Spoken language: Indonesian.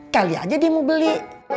kali aja dia mau beli